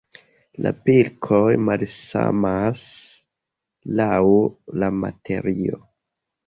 La pilkoj malsamas laŭ la materio.